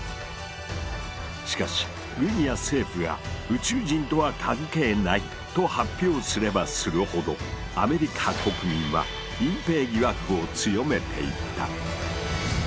しかし軍や政府が「宇宙人とは関係ない」と発表すればするほどアメリカ国民は隠蔽疑惑を強めていった。